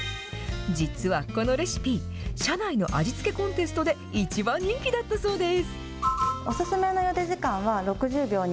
実はこのレシピ、社内の味付けコンテストで一番人気だったそうです。